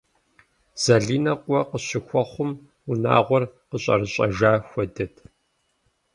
Залинэ къуэ къыщыхуэхъум, унагъуэр къэщӏэрэщӏэжа хуэдэт.